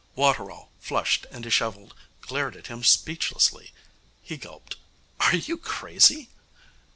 Waterall, flushed and dishevelled, glared at him speechlessly. He gulped. 'Are you crazy?'